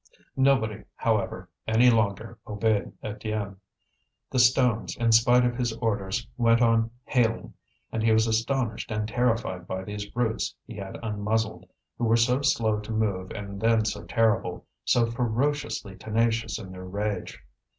Nobody, however, any longer obeyed Étienne. The stones, in spite of his orders, went on hailing, and he was astonished and terrified by these brutes he had unmuzzled, who were so slow to move and then so terrible, so ferociously tenacious in their rage.